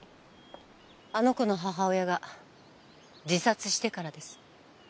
あの子の母親が自殺してからです。